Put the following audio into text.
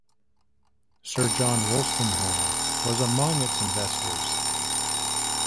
Sir John Wolstenholme was among its investors.